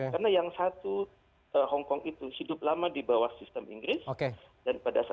karena yang satu hongkong itu hidup lama di bawah china